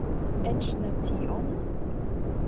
Eĉ ne tion?